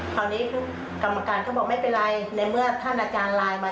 คราวนี้คือกรรมการก็บอกไม่เป็นไรในเมื่อท่านอาจารย์ไลน์มา